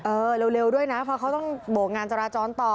เร็วด้วยนะเพราะเขาต้องโบกงานจราจรต่อ